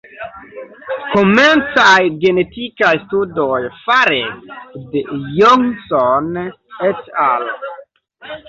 Komencaj genetikaj studoj fare de Johnson et al.